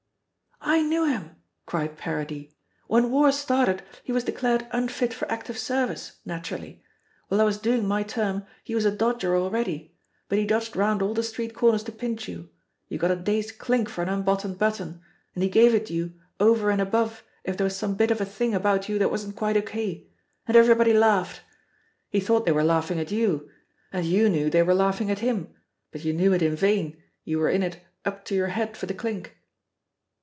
"I knew him!" cried Paradis; "when war started he was declared unfit for active service, naturally. While I was doing my term he was a dodger already but he dodged round all the street corners to pinch you you got a day's clink for an unbuttoned button, and he gave it you over and above if there was some bit of a thing about you that wasn't quite O.K. and everybody laughed. He thought they were laughing at you, and you knew they were laughing at him, but you knew it in vain, you were in it up to your head for the clink."